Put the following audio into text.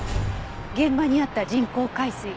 現場にあった人工海水。